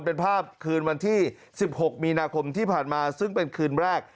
เป็นภาพคืนวันที่๑๖มีนาคมที่ผ่านมาซึ่งเป็นคืนแรก